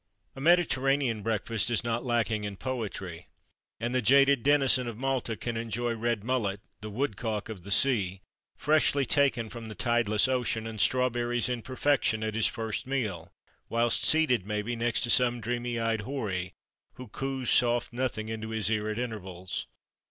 A Mediterranean Breakfast is not lacking in poetry; and the jaded denizen of Malta can enjoy red mullet (the "woodcock of the sea") freshly taken from the tideless ocean, and strawberries in perfection, at his first meal, whilst seated, maybe, next to some dreamy eyed houri, who coos soft nothings into his ear, at intervals.